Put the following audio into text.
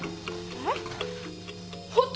えっ？